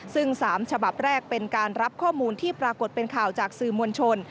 ซึ่ง๓ฉบับแรกเป็นการรับข้อมูลที่ปรากฏเป็นข่าวจากสื่อมวลชน